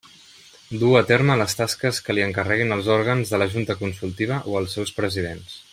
Dur a terme les tasques que li encarreguin els òrgans de la Junta Consultiva o els seus presidents.